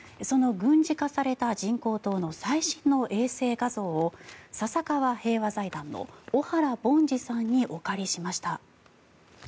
その軍事化された人工島の最新の衛星画像を笹川平和財団の小原凡司さんにお借りしました。